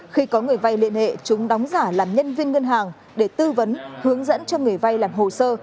khi có người vay liên hệ chúng đóng giả làm nhân viên ngân hàng để tư vấn hướng dẫn cho người vay làm hồ sơ